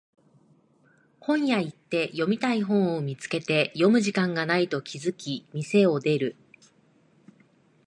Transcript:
本屋行って読みたい本を見つけて読む時間がないと気づき店を出る